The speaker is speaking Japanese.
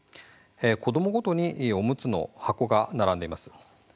子どもごとにおむつの箱が並んでいます。